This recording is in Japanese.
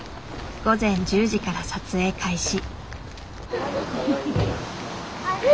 午前１０時から撮影開始。